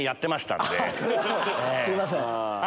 すいません。